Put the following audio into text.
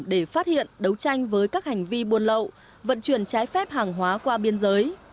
để phát hiện đấu tranh với các hành vi buôn lậu vận chuyển trái phép hàng hóa qua biên giới